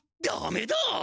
ダメだ！